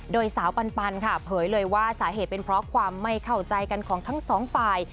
โดยสาวปันค่ะเผยเลยว่าสาเหตุเป็นเพราะความไม่เข้าใจกันของทั้งสองฝ่าย